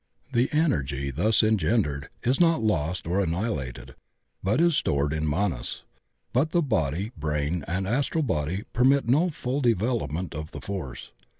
The energy thus engendered is not lost or annihilated, but is stored in Manas, but the body, brain, and astral body permit no full development of the force.